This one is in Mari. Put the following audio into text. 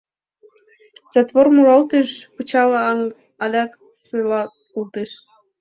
Затвор муралтыш, пычал аҥ адак шӱлалтыш.